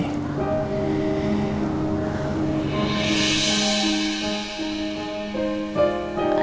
aku mau pindah lagi